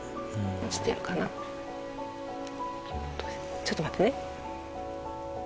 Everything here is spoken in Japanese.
ちょっと待ってね。